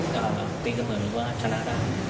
ก็ตีกับเหมือนว่าชนะได้